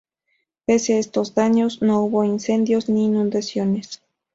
Pese a estos daños, no hubo incendios ni inundaciones.